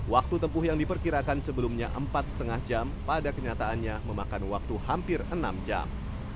waktu tempuh yang diperkirakan sebelumnya empat lima jam pada kenyataannya memakan waktu hampir enam jam